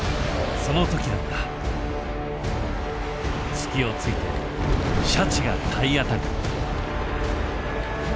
隙をついてシャチが体当たり。